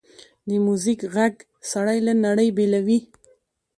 د میوزیک ږغ سړی له نړۍ بېلوي.